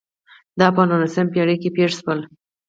دا په نولسمه پېړۍ کې پېښ شول.